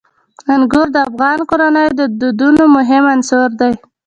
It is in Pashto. انګور د افغان کورنیو د دودونو مهم عنصر دی.